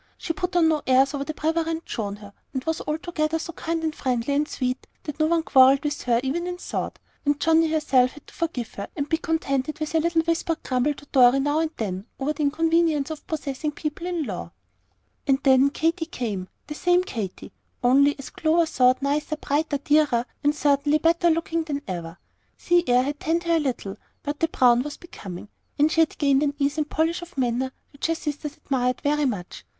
She put on no airs over the preference shown her, and was altogether so kind and friendly and sweet that no one could quarrel with her even in thought, and Johnnie herself had to forgive her, and be contented with a little whispered grumble to Dorry now and then over the inconvenience of possessing "people in law." And then Katy came, the same Katy, only, as Clover thought, nicer, brighter, dearer, and certainly better looking than ever. Sea air had tanned her a little, but the brown was becoming; and she had gained an ease and polish of manner which her sisters admired very much.